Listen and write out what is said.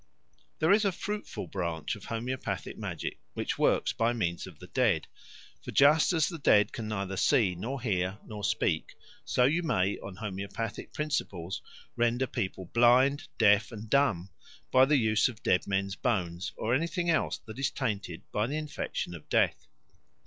There is a fruitful branch of homoeopathic magic which works by means of the dead; for just as the dead can neither see nor hear nor speak, so you may on homoeopathic principles render people blind, deaf and dumb by the use of dead men's bones or anything else that is tainted by the infection of death.